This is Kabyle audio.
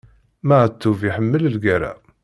Maɛṭub iḥemmel lgerra.